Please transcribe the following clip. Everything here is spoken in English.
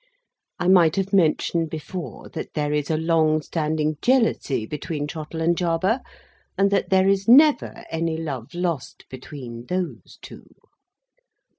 I might have mentioned before, that there is a lone standing jealousy between Trottle and Jarber; and that there is never any love lost between those two.